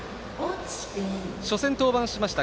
初戦登板しました。